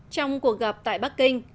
trong cuộc gặp tại bắc kinh